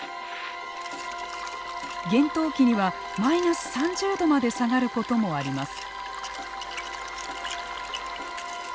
厳冬期にはマイナス３０度まで下がることもあります。